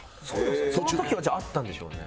その時はじゃああったんでしょうね。